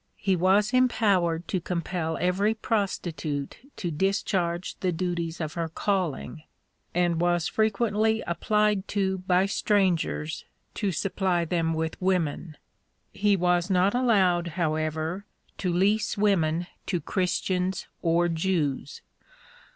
He was empowered to compel every prostitute to discharge the duties of her calling, and was frequently applied to by strangers to supply them with women. He was not allowed, however, to lease women to Christians or Jews.